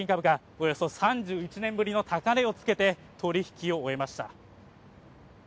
およそ３１年ぶりの高値をつけて取引を終えました。